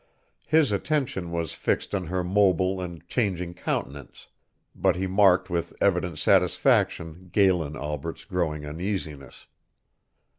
His attention was fixed on her mobile and changing countenance, but he marked with evident satisfaction Galen Albret's growing uneasiness.